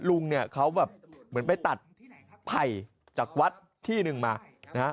ลุงเนี่ยเขาแบบเหมือนไปตัดไผ่จากวัดที่หนึ่งมานะฮะ